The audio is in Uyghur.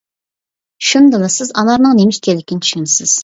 شۇندىلا سىز ئانارنىڭ نېمە ئىكەنلىكىنى چۈشىنىسىز.